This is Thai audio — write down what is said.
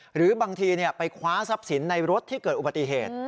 หรือบางทีไปคว้าทรัพย์สินในรถที่เกิดอุบัติเหตุ